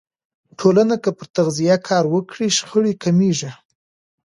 ټولنه که پر تغذیه کار وکړي، شخړې کمېږي.